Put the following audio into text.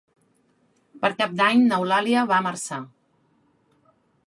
Per Cap d'Any n'Eulàlia va a Marçà.